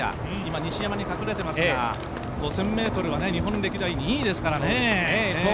今、西山に隠れてますが５０００ｍは日本歴代２位ですからね。